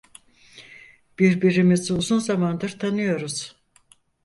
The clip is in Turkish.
Birbirimizi uzun zamandır tanıyoruz.